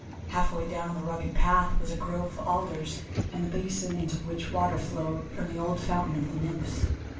Half way down the rugged path was a grove of alders, and the basin into which water flowed from the old fountain of the Nymphs.